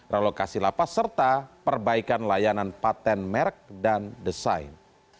relokasi lapas serta perbaikan layanan patent merek dan desain